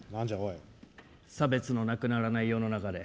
差別のなくならない世の中で。